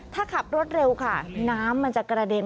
ถ้าขับรถเร็วค่ะน้ำมันจะกระเด็น